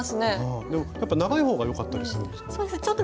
でも長い方が良かったりするんですか？